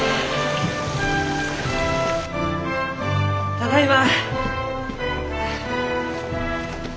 ただいま！